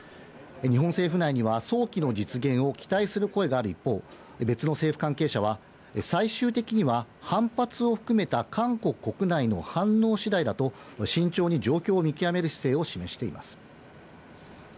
日本政府内には、早期の実現を期待する声がある一方、別の政府関係者は、最終的には反発を含めた韓国国内の反応しだいだと、慎重に状況を見極める姿勢を示しています。